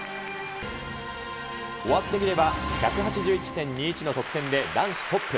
終わってみれば１８１．２１の得点で男子トップ。